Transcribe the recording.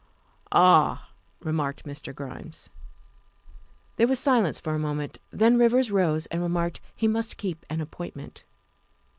"Ah," remarked Mr. Grimes. There was silence for a moment, then Rivers rose and remarked he must keep an appointment.